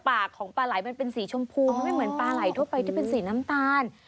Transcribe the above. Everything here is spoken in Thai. ปากของปลาไหลมันเป็นสีชมพูมันไม่เหมือนปลาไหลทั่วไปที่เป็นสีน้ำตาล